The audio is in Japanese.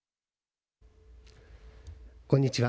こんにちは。